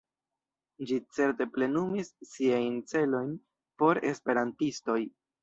Ĝi certe plenumis siajn celojn por esperantistoj.